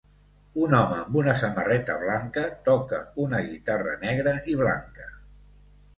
Un home amb una samarreta blanca toca una guitarra negra i blanca.